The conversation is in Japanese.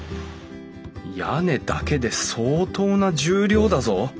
屋根だけで相当な重量だぞ。